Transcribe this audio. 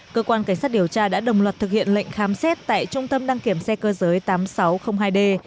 cơ quan cảnh sát điều tra đã đồng loạt thực hiện lệnh khám xét tại trung tâm đăng kiểm xe cơ giới tám nghìn sáu trăm linh hai d